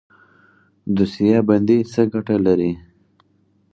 دوسیه بندي څه ګټه لري؟